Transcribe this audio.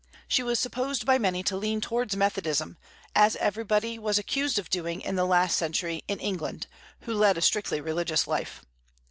She was supposed by many to lean towards Methodism, as everybody was accused of doing in the last century, in England, who led a strictly religious life.